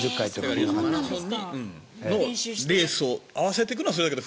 マラソンのレースに合わせていくのはそうだけど